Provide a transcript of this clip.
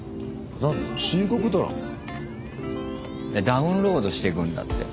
ダウンロードしていくんだって。